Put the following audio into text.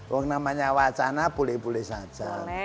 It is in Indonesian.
yang namanya wacana boleh boleh saja